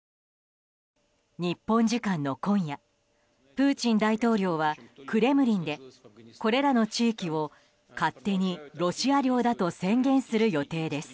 日本時間の今夜プーチン大統領はクレムリンでこれらの地域を勝手にロシア領だと宣言する予定です。